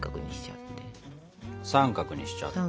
三角にしちゃって。